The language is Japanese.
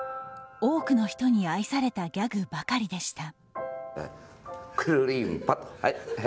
多くの人に愛されたギャグばかりでした。